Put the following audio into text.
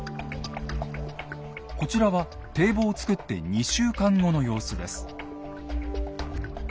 こちらは堤防を造って２週間後の様子です。